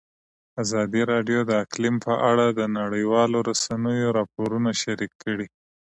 ازادي راډیو د اقلیم په اړه د نړیوالو رسنیو راپورونه شریک کړي.